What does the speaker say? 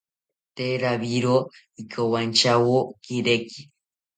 Tee rawiero ikowantyawo kireki